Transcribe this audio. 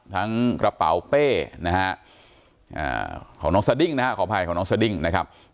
กระเป๋าเป้นะฮะของน้องสดิ้งนะฮะขออภัยของน้องสดิ้งนะครับ